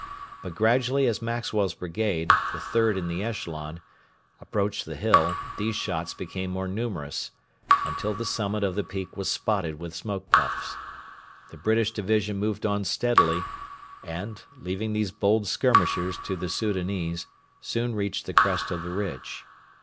But gradually as Maxwell's brigade the third in the echelon approached the hill, these shots became more numerous, until the summit of the peak was spotted with smoke puffs. The British division moved on steadily, and, leaving these bold skirmishers to the Soudanese, soon reached the crest of the ridge.